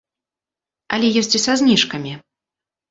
Але ёсць і са зніжкамі.